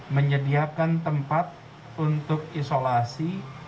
menyediakan tempat untuk isolasi